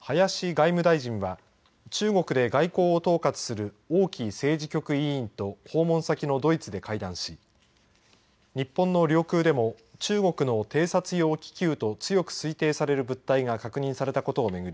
林外務大臣は中国で外交を統括する王毅政治局委員と訪問先のドイツで会談し日本の領空でも中国の偵察用気球と強く推定される物体が確認されたことを巡り